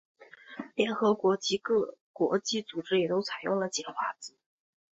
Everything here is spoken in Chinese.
联合国及各国际组织也都采用了简化字。